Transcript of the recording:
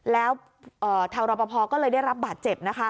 แล้วทางรอปภก็เลยได้รับบาดเจ็บ